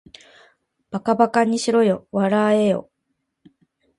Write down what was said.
馬鹿ばかにしろよ、笑わらえよ